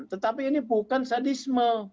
tetapi ini bukan sadisme